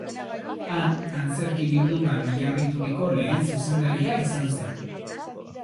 Han, antzerki bilduman oinarrituriko lehen zuzendaria izan zen.